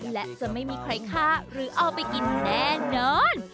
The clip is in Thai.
และจะไม่มีใครฆ่าหรือเอาไปกินแน่นอน